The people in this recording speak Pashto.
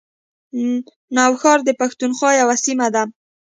نوښار د پښتونخوا یوه سیمه ده